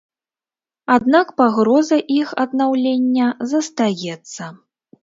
Аднак пагроза іх аднаўлення застаецца.